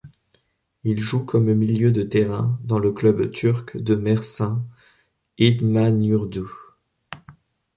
Il joue comme milieu de terrain dans le club turc de Mersin İdmanyurdu.